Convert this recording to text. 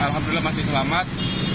alhamdulillah masih selamat